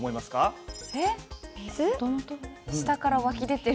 下から湧き出てる。